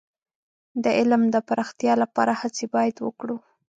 د علم د پراختیا لپاره هڅې باید وکړو.